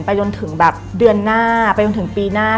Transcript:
จนถึงแบบเดือนหน้าไปจนถึงปีหน้า